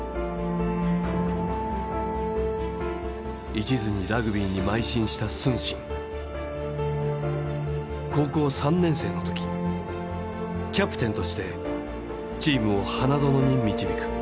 いちずにラグビーに邁進した承信高校３年生の時キャプテンとしてチームを花園に導く。